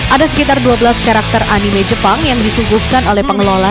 ada sekitar dua belas karakter anime jepang yang disuguhkan oleh pengelola